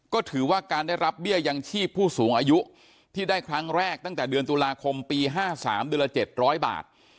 ก็ถือว่าการได้รับเบี้ยยังชีพผู้สูงอายุที่ได้ครั้งแรกตั้งแต่เดือนตุลาคมปี๕๓เดือนละ๗๐๐บาท